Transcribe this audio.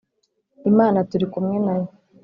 Imana turi kumwe nayo